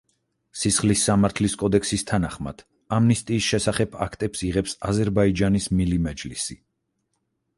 სისხლის სამართლის კოდექსის თანახმად, ამნისტიის შესახებ აქტებს იღებს აზერბაიჯანის მილი მეჯლისი.